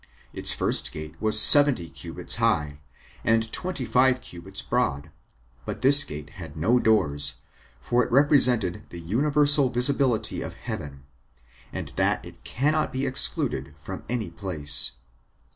Its first gate was seventy cubits high, and twenty five cubits broad; but this gate had no doors; for it represented the universal visibility of heaven, and that it cannot be excluded from any place.